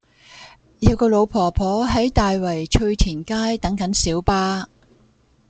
有個老婆婆喺大圍翠田街等緊小巴